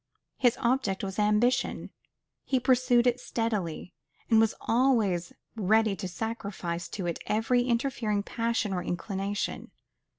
His object was ambition: he pursued it steadily; and was always ready to sacrifice to it every interfering passion or inclination.